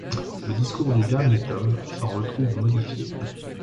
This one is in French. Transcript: Le discours du dernier tome s'en retrouve modifié.